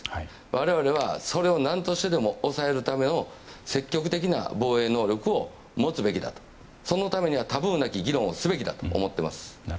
我々はそれを何としてでも抑えるための積極的な防衛能力を持つべきだとそのためにはタブーなき議論をすべきだと思っています。